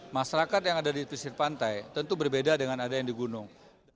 masyarakat yang ada di pesisir pantai tentu berbeda dengan ada yang di gunung